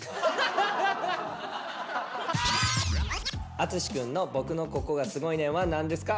篤志くんの「僕のココがすごいねん！」は何ですか？